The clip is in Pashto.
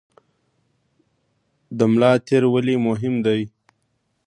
د ملا تیر ولې مهم دی؟